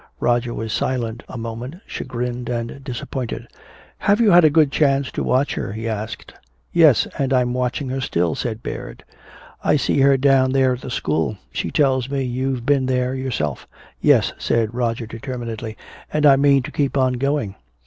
Roger was silent a moment, chagrined and disappointed. "Have you had a good chance to watch her?" he asked. "Yes, and I'm watching her still," said Baird. "I see her down there at the school. She tells me you've been there yourself." "Yes," said Roger, determinedly, "and I mean to keep on going.